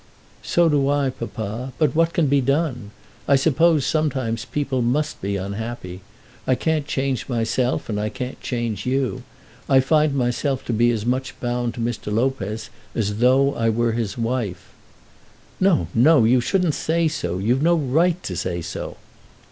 "So do I, papa. But what can be done? I suppose sometimes people must be unhappy. I can't change myself, and I can't change you. I find myself to be as much bound to Mr. Lopez as though I were his wife." "No, no! you shouldn't say so. You've no right to say so."